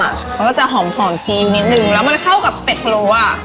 มันก็จะหอมสีนิดนึงแล้วมันเข้ากับเป็ดบลูก